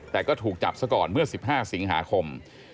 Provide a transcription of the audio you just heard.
แต่ก็ถูกจับซะก่อนเมื่อ๑๕สิงหาคม